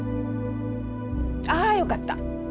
あよかった。